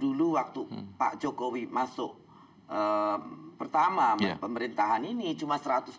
dulu waktu pak jokowi masuk pertama pemerintahan ini cuma satu ratus dua puluh